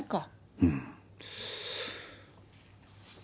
うん。